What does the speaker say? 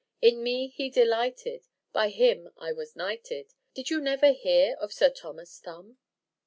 In me he delighted, By him I was knighted; Did you never hear of Sir Thomas Thumb?"